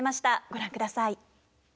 ご覧ください。